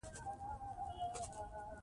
هرات د افغان کورنیو د دودونو مهم عنصر دی.